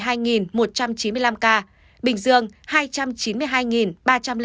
tp hcm năm trăm một mươi hai một trăm chín mươi năm ca bình dương hai trăm chín mươi hai ba trăm linh năm ca hà nội chín mươi chín ca